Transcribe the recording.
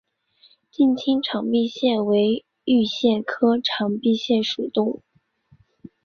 近亲长臂蟹为玉蟹科长臂蟹属的动物。